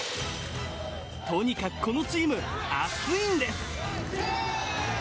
とにかくこのチーム熱いんです。